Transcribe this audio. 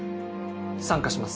参加します。